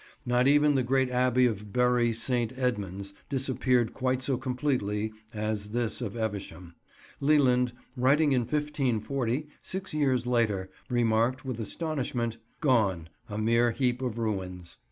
Not even the great Abbey of Bury St. Edmunds disappeared quite so completely as this of Evesham. Leland, writing in 1540, six years later, remarked, with astonishment: "Gone, a mere heap of ruins."